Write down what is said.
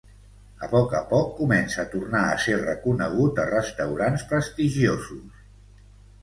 A poc a poc comença a tornar a ser reconegut a restaurants prestigiosos.